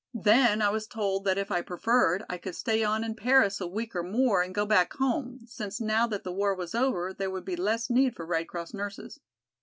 Then I was told that if I preferred I could stay on in Paris a week or more and go back home, since now that the war was over, there would be less need for Red Cross nurses.